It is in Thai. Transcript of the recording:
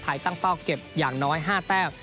ตั้งเป้าเก็บอย่างน้อย๕แต้ม